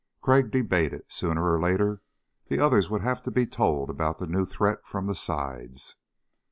Crag debated. Sooner or later the others would have to be told about the new threat from the sides.